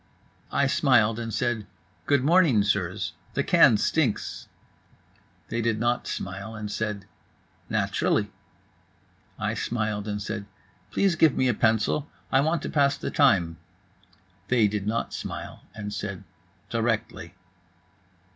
I smiled and said: "Good morning, sirs. The can stinks." They did not smile and said: "Naturally." I smiled and said: "Please give me a pencil. I want to pass the time." They did not smile and said: "Directly."